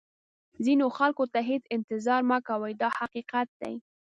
ځینو خلکو ته هېڅ انتظار مه کوئ دا حقیقت دی.